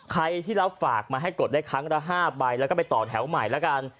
ใครที่รับฝากมาให้กดได้ครั้งละ๕ใบแล้วก็ไปต่อแถวใหม่แล้วกัน